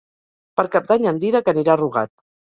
Per Cap d'Any en Dídac anirà a Rugat.